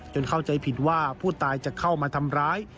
เข้าใจผิดว่าผู้ตายจะเข้ามาทำร้าย